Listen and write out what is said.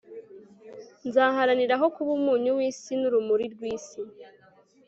nzaharanira aho kuba umunyu w'isi n'urumuli rw'isi